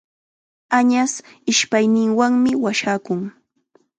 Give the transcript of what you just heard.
Añas ishpayninwanmi washakun.